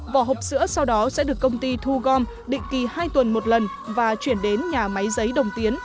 vỏ hộp sữa sau đó sẽ được công ty thu gom định kỳ hai tuần một lần và chuyển đến nhà máy giấy đồng tiến